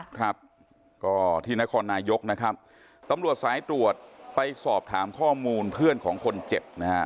ครับก็ที่นครนายกนะครับตำรวจสายตรวจไปสอบถามข้อมูลเพื่อนของคนเจ็บนะฮะ